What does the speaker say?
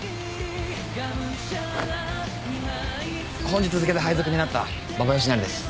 本日付で配属になった馬場良成です。